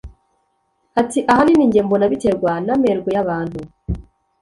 ati ahanini njye mbona biterwa n'amerwe y'abantu